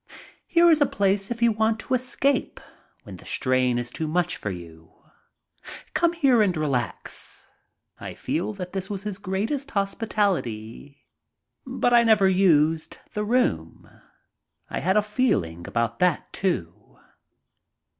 "Here is a place if you want to escape when the strain is too much for you. Come here and relax." I felt that this was his greatest hospitality. But I never used the room. I had a feeling about that, too.